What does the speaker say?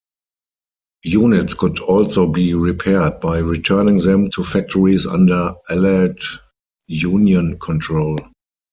Units could also be repaired by returning them to factories under Allied-Union control.